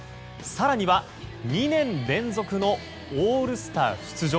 更には２年連続のオールスター出場。